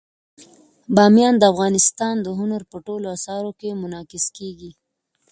بامیان د افغانستان د هنر په ټولو اثارو کې منعکس کېږي.